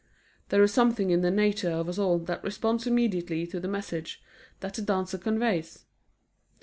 There is something in the nature of us all that responds immediately to the message that the dancer conveys.